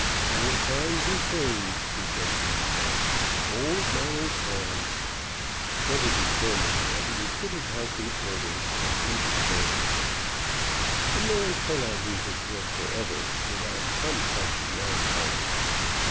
"Old times are changed," he said to himself; "old manners gone." Then he determined that he would put his house in order, and leave the firm. A man cannot leave his work forever without some touch of melancholy.